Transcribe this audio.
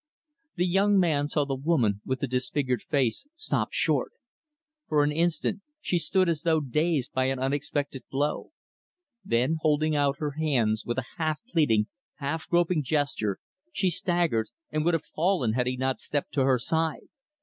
The young man saw the woman with the disfigured face stop short. For an instant, she stood as though dazed by an unexpected blow. Then, holding out her hands with a half pleading, half groping gesture, she staggered and would have fallen had he not stepped to her side.